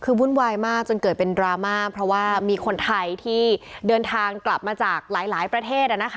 คือวุ่นวายมากจนเกิดเป็นดราม่าเพราะว่ามีคนไทยที่เดินทางกลับมาจากหลายประเทศ